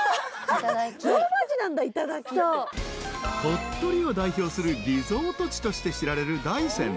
［鳥取を代表するリゾート地として知られる大山］